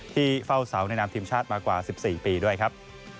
เฝ้าเสาในนามทีมชาติมากว่า๑๔ปีด้วยครับ